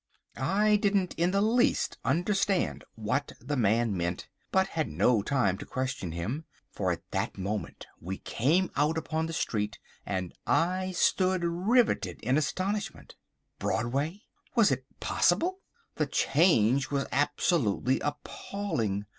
I didn't in the least understand what the man meant, but had no time to question him, for at that moment we came out upon the street, and I stood riveted in astonishment. Broadway! Was it possible? The change was absolutely appalling!